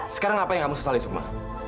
sekarang apa yang kamu sesali semua